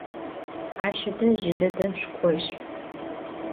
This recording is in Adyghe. Aş ıdej cıdedem şsuk'oj.